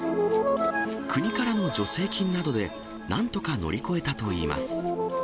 国からの助成金などで、なんとか乗り越えたといいます。